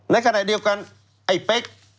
ในขณะเดียวกันไอ้เป๊ก